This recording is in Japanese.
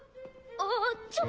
あっちょっ。